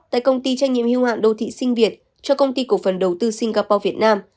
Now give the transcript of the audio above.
tại công ty trách nhiệm hưu hạn đô thị sinh việt cho công ty cổ phần đầu tư singapore việt nam